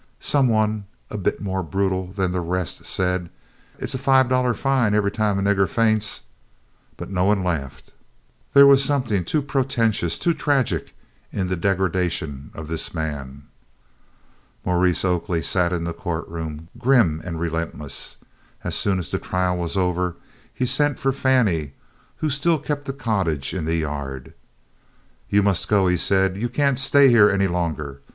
Some one, a bit more brutal than the rest, said, "It 's five dollars' fine every time a nigger faints," but no one laughed. There was something too portentous, too tragic in the degradation of this man. Maurice Oakley sat in the court room, grim and relentless. As soon as the trial was over, he sent for Fannie, who still kept the cottage in the yard. "You must go," he said. "You can't stay here any longer.